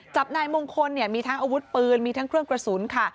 จับนายมงคลเนี่ยมีทั้งอาวุธปืนมีทั้งเครื่องกระสุนค่ะ